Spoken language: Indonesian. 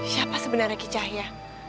siapa sebenarnya ki cahya